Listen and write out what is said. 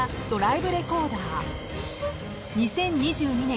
［２０２２年